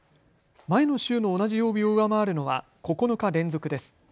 前の週の同じ曜日を上回るのは９日連続です。